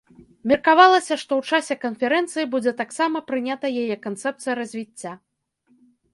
Меркавалася, што ў часе канферэнцыі будзе таксама прынята яе канцэпцыя развіцця.